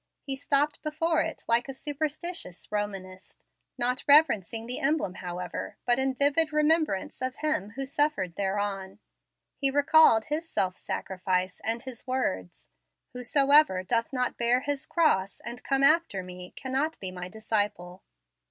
He stopped before it like a superstitious Romanist, not reverencing the emblem, however, but in vivid remembrance of Him who suffered thereon. He recalled His self sacrifice and His words, "Whosoever doth not bear his cross and come after me, cannot be my disciple."